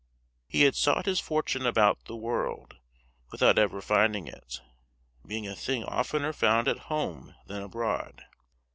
He had sought his fortune about the world, without ever finding it, being a thing oftener found at home than abroad.